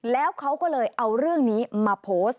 แล้วเขาก็เลยเอาเรื่องนี้มาโพสต์